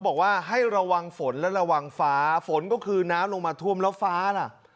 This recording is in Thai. บอกว่าให้ระวังฝนและระวังฟ้าฝนก็คือน้ำลงมาท่วมแล้วฟ้าล่ะ